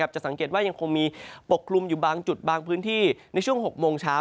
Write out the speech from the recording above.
จะสังเกตว่ายังคงมีปกคลุมอยู่บางจุดบางพื้นที่ในช่วง๖โมงเช้า